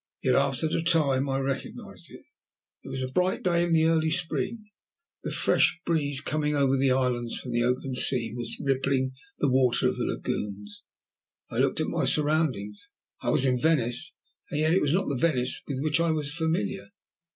And yet after a time I recognized it. It was a bright day in the early spring, the fresh breeze coming over the islands from the open sea was rippling the water of the lagoons. I looked at my surroundings. I was in Venice, and yet it was not the Venice with which I was familiar.